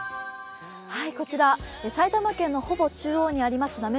こちら埼玉県のほぼ中央にあります